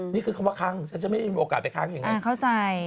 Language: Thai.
นี่คือคำว่าคางฉันจะไม่มีโอกาสไปคางยังไง